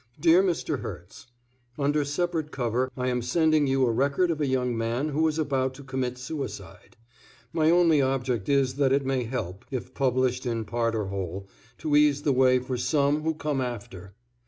Dear Mr. Herts: Under separate cover I am sending you a record of a young man who is about to commit suicide. My only object is that it may help, if published in part or whole, to ease the way for some who come after.